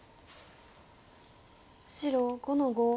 白５の五。